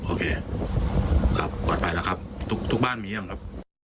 โอเคครับปลอดภัยแล้วครับทุกบ้านมีเยี่ยมครับ